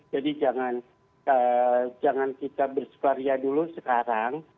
jadi jangan kita berseparia dulu sekarang